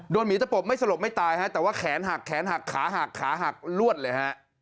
หมีตะปบไม่สลบไม่ตายฮะแต่ว่าแขนหักแขนหักขาหักขาหักลวดเลยฮะ